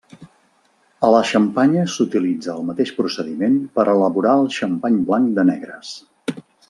A la Xampanya s'utilitza el mateix procediment per elaborar el xampany blanc de negres.